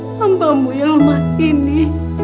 hambamu yang lemah ini